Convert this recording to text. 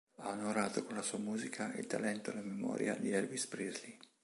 Ha onorato con la sua musica il talento e la memoria di Elvis Presley.